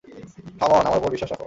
কাম on, আমার উপর বিশ্বাস রাখো।